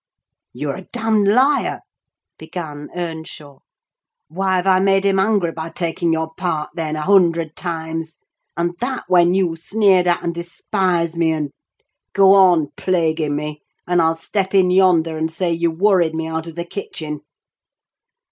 "You're a damned liar," began Earnshaw: "why have I made him angry, by taking your part, then, a hundred times? and that when you sneered at and despised me, and—Go on plaguing me, and I'll step in yonder, and say you worried me out of the kitchen!"